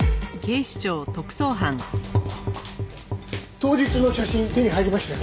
当日の写真手に入りましたよ。